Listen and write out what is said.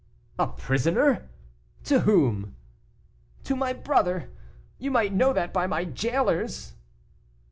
"A prisoner! to whom?" "To my brother; you might know that by my jailers."